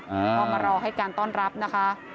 ก็มารอให้การต้อนรับนะคะ